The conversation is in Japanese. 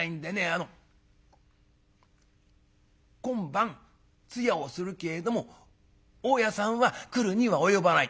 あの今晩通夜をするけれども大家さんは来るには及ばない」。